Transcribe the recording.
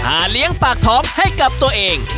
เลี้ยงปากท้องให้กับตัวเอง